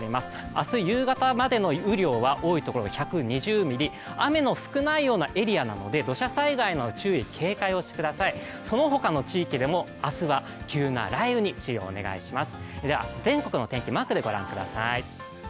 明日、夕方までの雨量は多いところは１２０ミリ雨の少ないようなエリアなので土砂災害の注意、警戒をしてください、その他の地域でも明日は急な雷雨に注意をお願いします。